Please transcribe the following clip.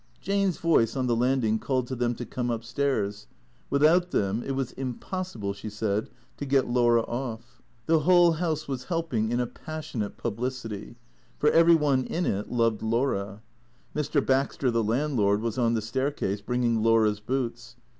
Jane's voice on the landing called to them to come up stairs. Without them it was impossible, she said, to get Laura off. The whole house was helping, in a passionate publicity; for every one in it loved Laura. Mr. Baxter, the landlord, was on the staircase, bringing Laura's boots.